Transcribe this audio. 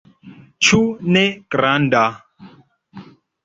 Ĉu ne granda?